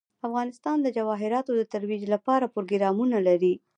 افغانستان د جواهرات د ترویج لپاره پروګرامونه لري.